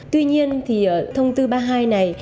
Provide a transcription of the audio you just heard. tuy nhiên thì thông tư ba mươi hai này